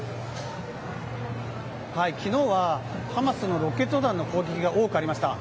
昨日はハマスのロケット弾の攻撃が多くありました。